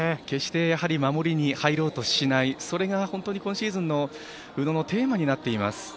決して守りに入ろうとしないそれが本当に今シーズンの宇野のテーマになっています。